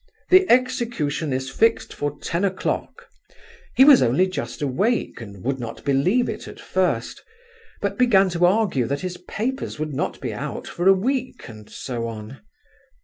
'The execution is fixed for ten o'clock.' He was only just awake, and would not believe at first, but began to argue that his papers would not be out for a week, and so on.